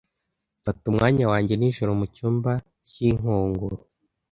Mfata umwanya wanjye nijoro mu cyumba cy'inkongoro,